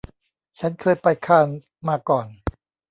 ฉันเคยไปคานส์มาก่อน